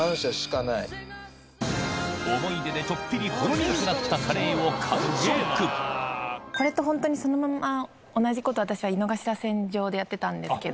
思い出でちょっぴりほろ苦くなったこれってホントにそのまんま同じことを私は井の頭線上でやってたんですけど。